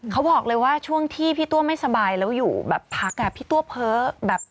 เขาบอกเลยว่าช่วงที่พี่ตัวไม่สบายแล้วอยู่แบบพักอ่ะพี่ตัวเพ้อแบบ